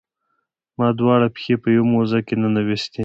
ما دواړه پښې په یوه موزه کې ننویستي.